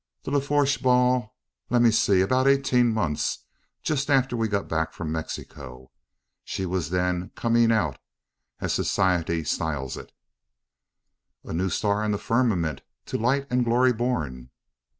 "The Lafourche ball? Let me see about eighteen months. Just after we got back from Mexico. She was then `coming out' as society styles it: "A new star in the firmament, to light and glory born!"